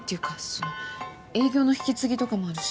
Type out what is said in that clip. その営業の引き継ぎとかもあるし。